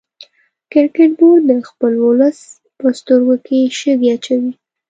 کرکټ بورډ د خپل ولس په سترګو کې شګې اچوي